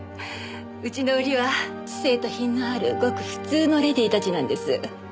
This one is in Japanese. うちの売りは知性と品のあるごく普通のレディーたちなんです。